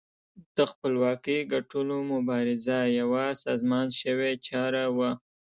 د خپلواکۍ ګټلو مبارزه یوه سازمان شوې چاره وه.